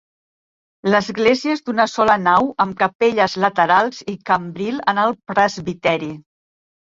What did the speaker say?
L'església és d'una sola nau amb capelles laterals i cambril en el presbiteri.